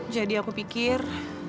jadi aku pikir